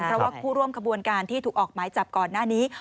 เพราะว่าผู้ร่วมขบวนการที่ถูกออกหมายจับก่อนหน้านี้